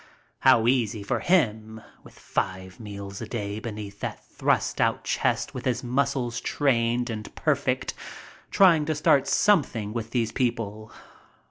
How easy for him, with five meals a day beneath that thrust out chest with his muscles trained and perfect, trying to start something with these people.